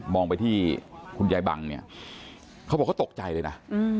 ไปที่คุณยายบังเนี่ยเขาบอกเขาตกใจเลยนะ